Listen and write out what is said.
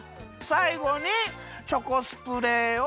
さいごにチョコスプレーを。